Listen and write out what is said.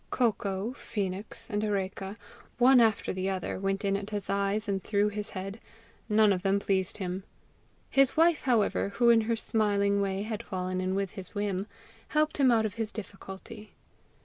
COCOA, PHOENIX, and ARECA, one after the other, went in at his eyes and through his head; none of them pleased him. His wife, however, who in her smiling way had fallen in with his whim, helped him out of his difficulty.